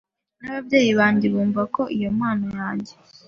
n’ababyeyi bange bumvaga ko impano yange